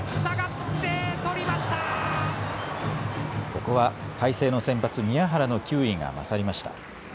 ここは海星の先発、宮原の球威が勝りました。